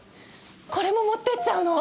これも持ってっちゃうの？